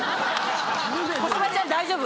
小芝ちゃん大丈夫？